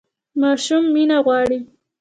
ماشوم مینه غواړي